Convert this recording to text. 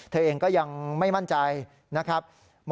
เธอเองก็ยังไม่มั่นใจนะครับ